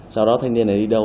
sau đó thanh niên này đi đâu